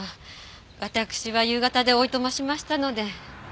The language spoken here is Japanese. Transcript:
私は夕方でおいとましましたので。